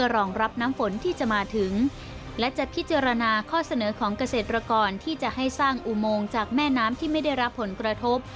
รองรับน้ำฝนที่จะมาถึงและจะพิจารณาข้อเสนอของเกษตรกรที่จะให้สร้างอุโมงจากแม่น้ำที่ไม่ได้รับผลกระทบ